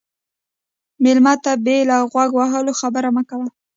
مېلمه ته بې له غوږ وهلو خبرې مه کوه.